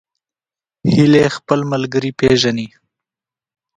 هیلۍ خپل ملګري پیژني